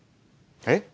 えっ？